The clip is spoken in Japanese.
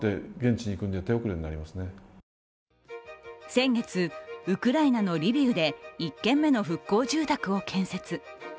先月、ウクライナのリビウで１軒目の復興住宅を建設。